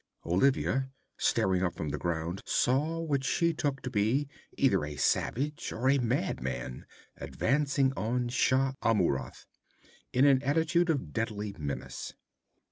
Olivia, staring up from the ground, saw what she took to be either a savage or a madman advancing on Shah Amurath in an attitude of deadly menace.